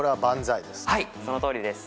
はいそのとおりです。